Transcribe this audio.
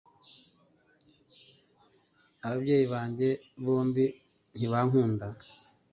Ababyeyi banjye bombi ntibankunda